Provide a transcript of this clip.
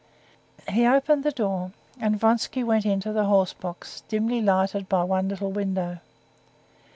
He opened the door, and Vronsky went into the horse box, dimly lighted by one little window.